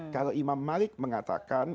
kalau imam malik mengatakan